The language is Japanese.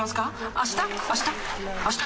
あした？